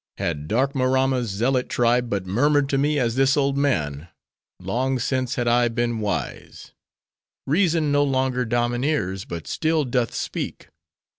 Had dark Maramma's zealot tribe but murmured to me as this old man, long since had I, been wise! Reason no longer domineers; but still doth speak.